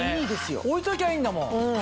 置いときゃいいんだもん。